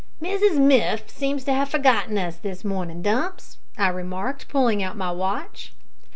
"Mrs Miff seems to have forgotten us this morning, Dumps," I remarked, pulling out my watch.